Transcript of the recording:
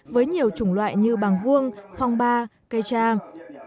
với nhiều chủng loại như bàng vuông phong ba cây trang